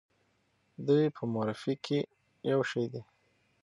دوی په مورفي کې یو شی دي.